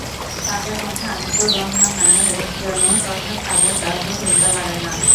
তাঁদের মধ্যে আনিসুর রহমান নামের একজনের কথা খালেক আজও ভুলতে পারেন না।